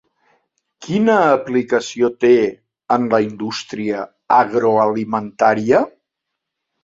Quina aplicació té en la indústria agroalimentària?